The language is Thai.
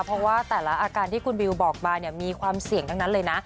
เพราะว่าแต่ละอาการที่คุณบิวบอกมามีความเสี่ยงทั้งนั้นเลยนะ